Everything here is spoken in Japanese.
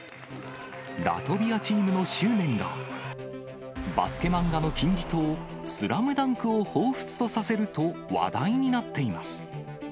ラトビアチームの執念が、バスケ漫画の金字塔、スラムダンクをほうふつとさせると話題になっています。